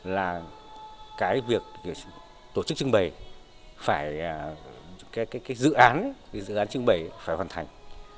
là cái việc tổ chức trưng bày cái dự án trưng bày phải hoàn thành